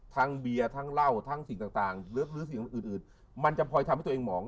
เบียร์ทั้งเหล้าทั้งสิ่งต่างหรือสิ่งอื่นอื่นมันจะพลอยทำให้ตัวเองหมอง